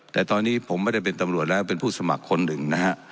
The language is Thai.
แต่ตอนนี้ผมไม่ได้เป็นตำรวจแล้วเป็นผู้สมัครคนหนึ่งนะฮะ